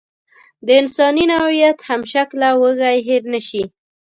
د انساني نوعیت همشکله وږی هېر نشي.